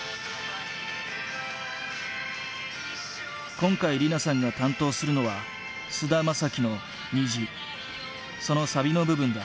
今回莉菜さんが担当するのは菅田将暉の「虹」そのサビの部分だ。